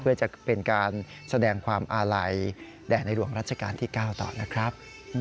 เพื่อจะเป็นการแสดงความอาลัยแด่ในหลวงรัชกาลที่๙ต่อนะครับ